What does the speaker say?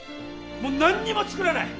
もう何にも作らない！